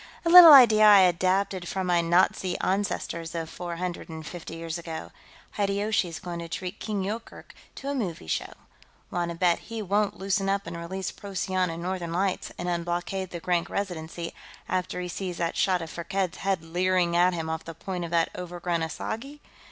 A little idea I adapted from my Nazi ancestors of four hundred and fifty years ago. Hideyoshi's going to treat King Yoorkerk to a movie show. Want to bet he won't loosen up and release Procyon and Northern Lights and unblockade the Grank Residency after he sees that shot of Firkked's head leering at him off the point of that overgrown asagai?